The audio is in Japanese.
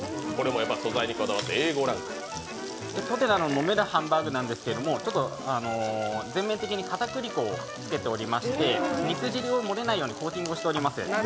当店、飲めるハンバーグなんですけど全面的にかたくり粉をつけていまして肉汁をもれないようにコーティングをしております。